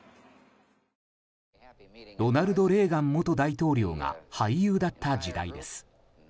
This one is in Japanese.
ロナルド・レーガン元大統領が俳優だった時代です。